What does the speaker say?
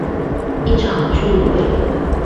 一場聚會